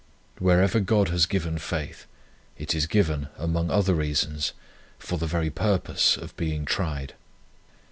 Wherever God has given faith, it is given, among other reasons, for the very purpose of being tried.